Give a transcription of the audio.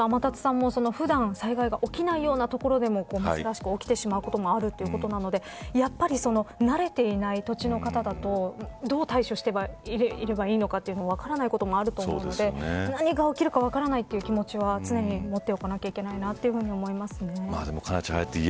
先ほど天達さんが災害が起きないような所でも珍しく起きてしまうこともあるということなのでやはり慣れていない土地の方だとどう対処すればいいのか分からないこともあると思うので何が起きるか分からないという気持ちは常に持っておかなければいけないと思います。